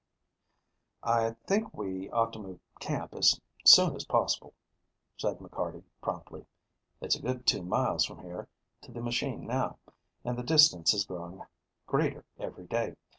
"I think we ought to move camp as soon as possible," said McCarty promptly. "It's a good two miles from here to the machine now, and the distance is growing greater every day.